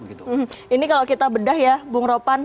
ini kalau kita bedah ya bung ropan